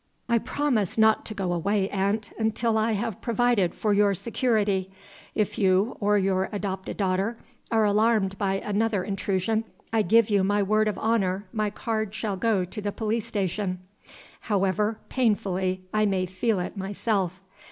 "I promise not to go away, aunt, until I have provided for your security. If you, or your adopted daughter, are alarmed by another intrusion, I give you my word of honor my card shall go to the police station, however painfully I may feel it myself."